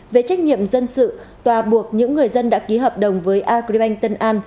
về trách nhiệm dân sự tòa buộc những người dân đã ký hợp đồng với agribank tân an